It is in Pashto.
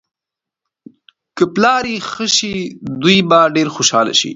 که پلار یې ښه شي، دوی به ډېر خوشحاله شي.